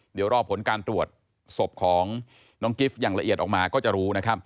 เดี๋ยวรอผลการตรวจศพของน้องกิฟต์อย่างละเอียดออกมาก็จะรู้นะครับ